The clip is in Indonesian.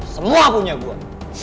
semua punya gue